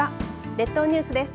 列島ニュースです。